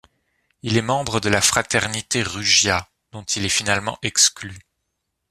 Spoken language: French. Il est membre de la Fraternité Rugia, dont il est finalement exclu.